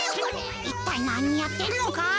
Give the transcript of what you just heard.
いったいなにやってんのか？